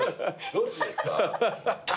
どっちですか？